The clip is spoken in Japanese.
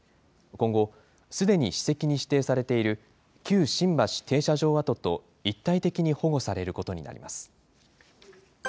今後、すでに史跡に指定されている旧新橋停車場跡と一体的に保護されることになります。